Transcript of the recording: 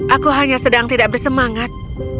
aku hanya sedang tidak bersemangat